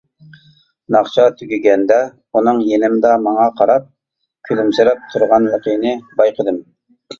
ناخشا تۈگىگەندە ئۇنىڭ يېنىمدا ماڭا قاراپ كۈلۈمسىرەپ تۇرغانلىقىنى بايقىدىم.